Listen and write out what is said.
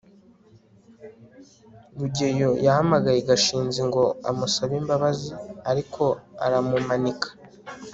rugeyo yahamagaye gashinzi ngo amusabe imbabazi, ariko aramumanika